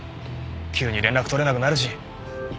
急に連絡取れなくなるし。